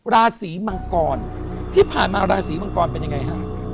ราศีมังกรที่ผ่านมาราศีมังกรเป็นยังไงฮะ